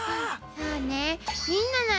そうね。